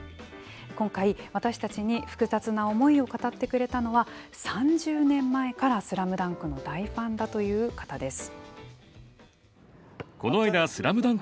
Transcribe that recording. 今回私たちに複雑な思いを語ってくれたのは３０年前からスラムダンクの大ファンだという方です。